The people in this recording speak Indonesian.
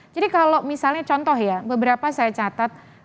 jadi kalau misalnya contoh ya beberapa saya catat